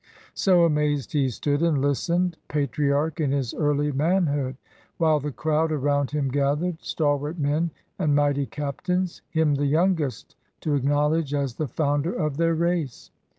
So amazed he stood and listened. Patriarch in his early manhood ; While the crowd around him gathered, Stalwart men, and mighty captains, Him, the youngest, to acknowledge As the founder of their race!